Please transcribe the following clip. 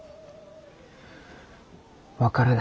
分からない。